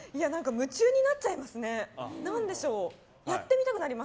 夢中になっちゃいますね。